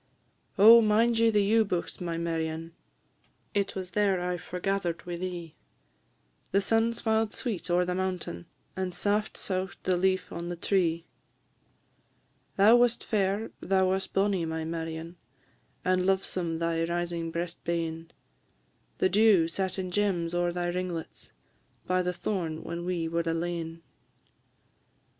Oh, mind ye the ewe bughts, my Marion? It was ther I forgather'd wi' thee; The sun smiled sweet ower the mountain, And saft sough'd the leaf on the tree. Thou wast fair, thou wast bonnie, my Marion, And lovesome thy rising breast bane; The dew sat in gems ower thy ringlets, By the thorn when we were alane.